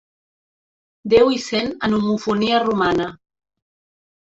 Déu hi sent en homofonia romana.